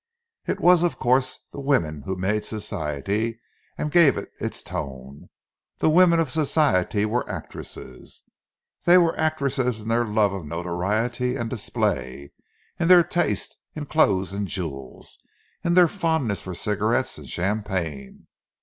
It was, of course, the women who made Society, and gave it its tone; and the women of Society were actresses. They were actresses in their love of notoriety and display; in their taste in clothes and jewels, their fondness for cigarettes and champagne.